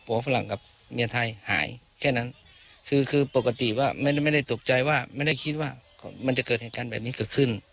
ว่าฝรั่งกับเมียไทยหายแค่นั้นคือคือปกติว่าไม่ได้ตกใจว่าไม่ได้คิดว่ามันจะเกิดเหตุการณ์แบบนี้เกิดขึ้น